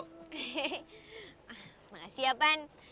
hehehe makasih ya pan